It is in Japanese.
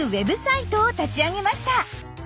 ウェブサイトを立ち上げました。